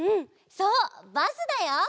そうバスだよ！